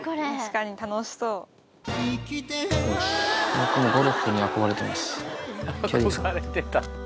僕もゴルフに憧れてます。